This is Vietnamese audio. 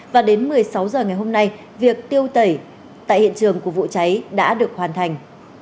và đến một mươi sáu h ngày hôm nay việc tiêu tẩy tại hiện trường của vụ cháy đã được hoàn thành